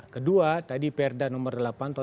kedua tadi perdak nomor delapan tahun dua ribu tujuh